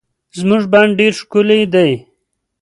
زمونږ بڼ ډير ښکلي دي